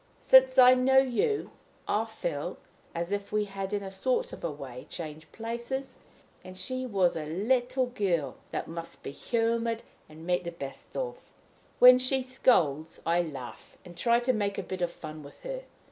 "Since I knew you, I feel as if we had in a sort of a way changed places, and she was a little girl that must be humored and made the best of. When she scolds, I laugh, and try to make a bit of fun with her.